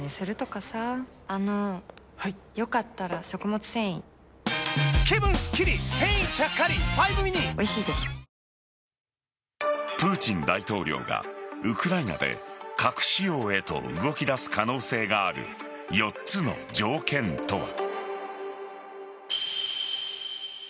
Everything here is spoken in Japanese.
まず、国家総動員があるはずでプーチン大統領がウクライナで核使用へと動き出す可能性がある４つの条件とは。